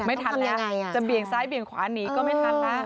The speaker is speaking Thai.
ไม่ทันแล้วจะเบี่ยงซ้ายเบี่ยงขวาหนีก็ไม่ทันนะ